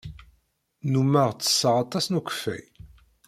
Nnummeɣ ttesseɣ aṭas n ukeffay.